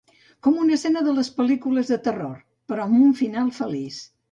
Com una escena de les pel·lícules de terror, però amb un final feliç.